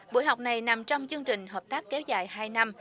buổi học này nằm trong chương trình hợp tác kéo dài hai năm